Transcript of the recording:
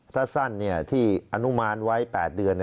สั้นที่อนุมานไว้๘เดือน